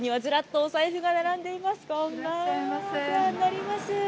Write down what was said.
お世話になります。